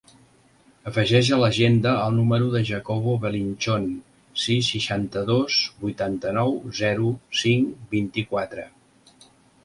Afegeix a l'agenda el número del Jacobo Belinchon: sis, seixanta-dos, vuitanta-nou, zero, cinc, vint-i-quatre.